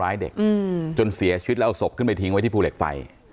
ร้ายเด็กอืมจนเสียชุดและเอาศกขึ้นไปทิ้งไว้ที่ภูเหล็กไฟ